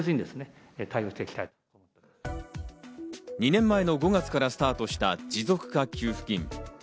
２年前の５月からスタートした持続化給付金。